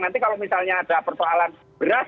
nanti kalau misalnya ada persoalan beras